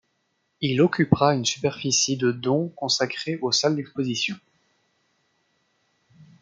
Il occupera une superficie de dont consacrés aux salles d'exposition.